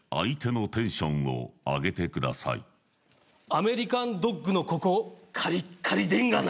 アメリカンドッグのココカリッカリでんがな。